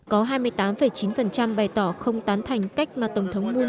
có hai mươi tám chín bày tỏ không tán thành cách mà tổng thống muô